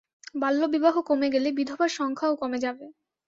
বাল্য বিবাহ কমে গেলে বিধবার সংখ্যাও কমে যাবে।